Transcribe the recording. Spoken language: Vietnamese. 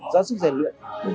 giá sức giàn luyện